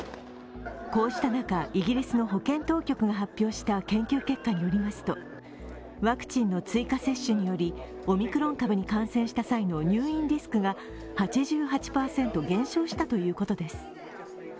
こうした中、イギリスの保健当局が発表した研究結果によりますとワクチンの追加接種により、オミクロン株に感染した際の入院リスクが８８％減少したということです。